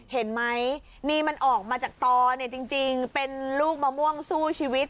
เห็นไหมนี่มันออกมาจากตอเนี่ยจริงเป็นลูกมะม่วงสู้ชีวิต